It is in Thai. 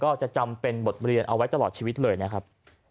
ก็จะจำเป็นบทเรียนเอาไว้ตลอดชีวิตเลยนะครับ